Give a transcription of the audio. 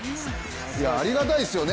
ありがたいっすよね